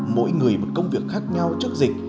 mỗi người một công việc khác nhau trước dịch